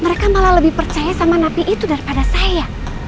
mereka malah lebih percaya sama napi itu daripada saya